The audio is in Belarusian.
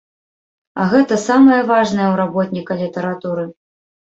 А гэта самае важнае ў работніка літаратуры.